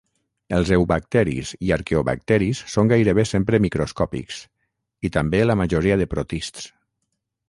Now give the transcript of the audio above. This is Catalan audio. Els eubacteris i arqueobacteris són gairebé sempre microscòpics, i també la majoria de protists.